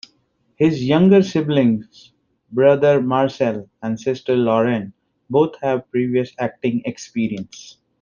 His younger siblings, brother Marcel and sister Lauren, both have previous acting experience.